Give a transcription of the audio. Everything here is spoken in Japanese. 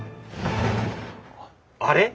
あれ？